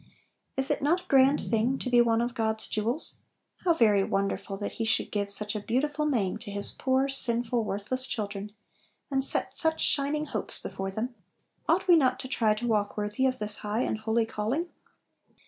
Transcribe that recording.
Is it not a grand thing to be one of God's jewels? How very wonderful that He should give such a beautiful name to His poor, sinful, worthless children, and set such shining hopes before them! Ought we not to try to walk worthy of this high and holy calling?